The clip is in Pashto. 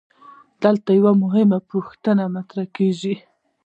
دلته یوه مهمه پوښتنه مطرح کیږي.